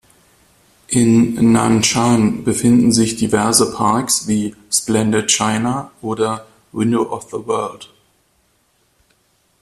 In Nanshan befinden sich diverse Parks wie "Splendid China" oder "Window of the World".